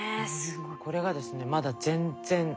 これがですねまだ全然え！